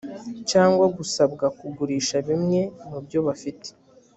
cyangwa gusabwa kugurisha bimwe mubyo bafite